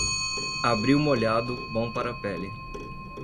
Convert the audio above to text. Abril molhado, bom para a pele.